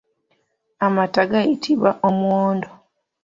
Amata gayitibwa omwondo.